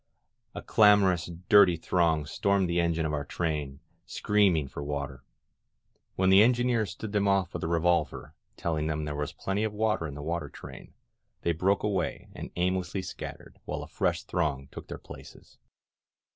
A clamorous, dirty 176 « ON TO TORREONl" throng stormed the engine of our train, screaming for water. When the engineer stood them off with a re volver, telling them there was plenty of water in the water train, they broke away and aimlessly scattered, while a fresh throng took their places.